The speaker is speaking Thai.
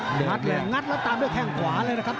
งัดเลยงัดแล้วตามด้วยแข้งขวาเลยนะครับ